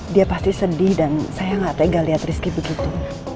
dia pasti sedih dan saya gak tega lihat rizky begitu